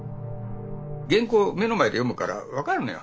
原稿を目の前で読むから分かるのよ。